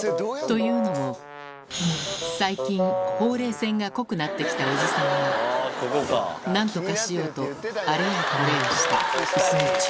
というのも、最近、ほうれい線が濃くなってきたおじさんは、なんとかしようと、あれやこれやして薄め中。